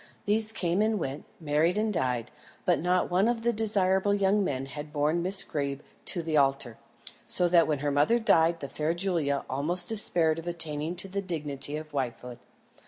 These came and went, married and died; but not one of the desirable young men had borne Miss Greeb to the altar, so that when her mother died the fair Julia almost despaired of attaining to the dignity of wifehood.